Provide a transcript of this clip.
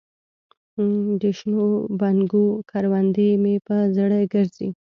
دشنو بنګو کروندې مې په زړه ګرځي